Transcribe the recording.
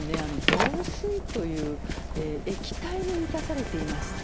房水という液体に満たされていまして